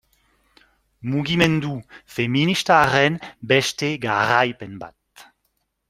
Mugimendu feministaren beste garaipen bat.